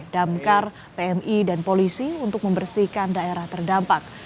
damkar pmi dan polisi untuk membersihkan daerah terdampak